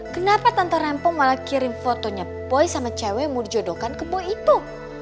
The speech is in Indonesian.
kenapa tanpa rempong malah kirim fotonya boy sama cewek mau dijodohkan ke boy itu